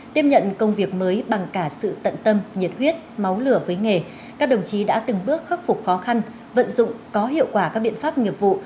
tiếp nhận công việc mới bằng cả sự tận tâm nhiệt huyết máu lửa với nghề các đồng chí đã từng bước khắc phục khó khăn vận dụng có hiệu quả các biện pháp nghiệp vụ